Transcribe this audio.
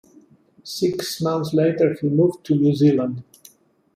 Six months later he moved to New Zealand.